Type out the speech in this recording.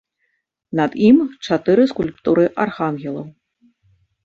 Над ім чатыры скульптуры архангелаў.